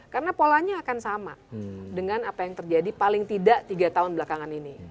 karena polanya akan sama dengan apa yang terjadi paling tidak tiga tahun belakangan ini